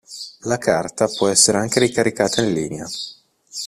La carta può essere anche ricaricata in linea.